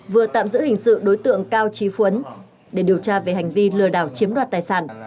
vừa tạm giữ hình sự đối tượng cao trí khuấn để điều tra về hành vi lừa đảo chiếm đoạt tài sản